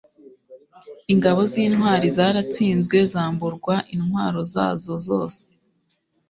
ingabo z'intwari zaratsinzwe, zamburwa intwaro zazo zose